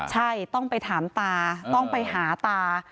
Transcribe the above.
ใช่ต้องไปถามตาต้องไปหาตา